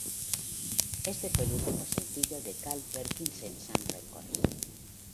Este fue el último sencillo de Carl Perkins en Sun Records.